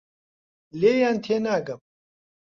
لێیان تێناگەم.